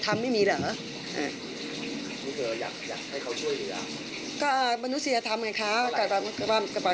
แล้วป้าเอามาใช้หนี้ใช้สินแล้วก็ป้าก็ดูแลแม่ไป